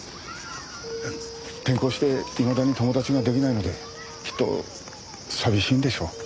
転校していまだに友達ができないのできっと寂しいんでしょう。